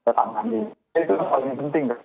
itu yang paling penting